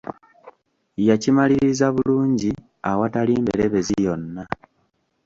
Yakimaliriza bulungi awatali mberebezi yonna!